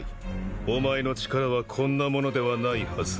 お前の力はこんなものではないはず。